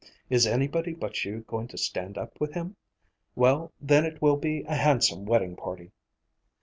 Is anybody but you going to stand up with him? Well, then it will be a handsome wedding party."